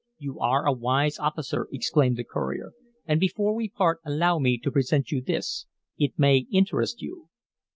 "You are a wise officer," exclaimed the courier. "And before we part allow me to present you this. It may interest you."